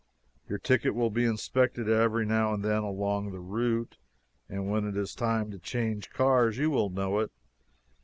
Your ticket will be inspected every now and then along the route, and when it is time to change cars you will know it.